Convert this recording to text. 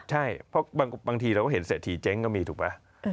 ใช่เพราะบางทีเราก็เห็นเศรษฐีเจ๊งก็มีถูกไหม